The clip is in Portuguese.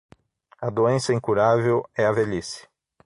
A doença incurável é a velhice.